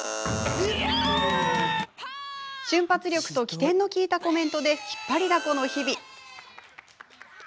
瞬発力と機転の利いたコメントで引っ張りだこの日々。